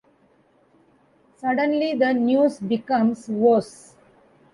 Suddenly the news becomes worse.